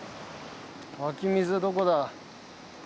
湧き水どこだ？